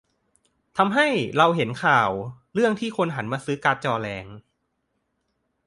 ทำให้เราเห็นข่าวเรื่องที่คนหันมาซื้อการ์ดจอแรง